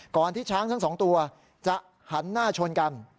ที่ช้างทั้งสองตัวจะหันหน้าชนกัน